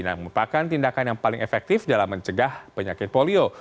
nah merupakan tindakan yang paling efektif dalam mencegah penyakit polio